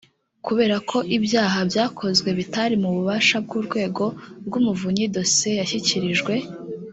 kubera ko ibyaha byakozwe bitari mu bubasha bw urwego rw umuvunyi dosiye yashyikirijwe